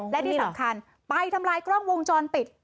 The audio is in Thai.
และที่สำคัญไปทำลายกล้องวงจรปิด